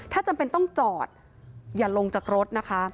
ถ้าจำเป็นต้องจอดอย่าลงจากรถนะคะ